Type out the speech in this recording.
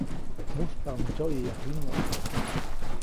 Mujspaʼuŋ ndsyoʼyäya jiŋäʼ.